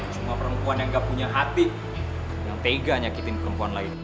semua perempuan yang gak punya hati yang tega nyakitin perempuan lain